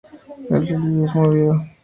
El relieve es movido.